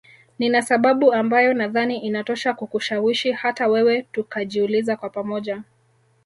Nina sababu ambayo nadhani inatosha kukushawishi hata wewe tukajiuliza kwa pamoja